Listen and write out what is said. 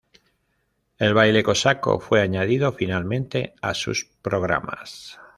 El baile cosaco fue añadido finalmente a sus programas.